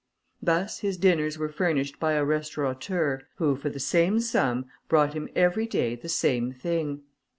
Thus, his dinners were furnished by a restaurateur, who, for the same sum, brought him every day the same thing.